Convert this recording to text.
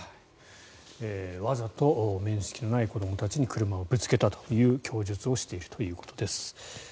わざと面識のない子どもたちに車をぶつけたという供述をしているということです。